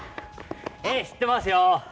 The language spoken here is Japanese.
ええしってますよ。